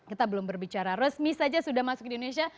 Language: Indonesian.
kita belum berbicara resmi saja sudah masuk ke indonesia